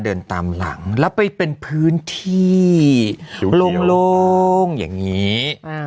เดินตามหลังแล้วไปเป็นพื้นที่โล่งอย่างนี้